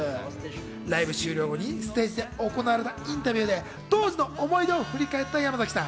ライブ終了後にステージで行われたインタビューで当時の思い出を振り返った山崎さん。